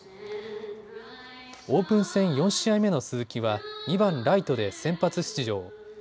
オープン戦４試合目の鈴木は２番・ライトで先発出場。